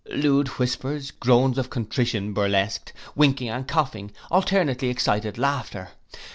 Lewd whispers, groans of contrition burlesqued, winking and coughing, alternately excited laughter.